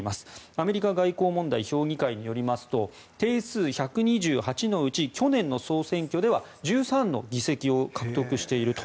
アメリカ外交問題評議会によりますと定数１２８のうち去年の総選挙では１３の議席を獲得していると。